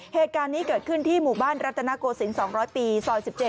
เหตุการณ์นี้เกิดขึ้นที่หมู่บ้านรัตนโกศิลป์๒๐๐ปีซอย๑๗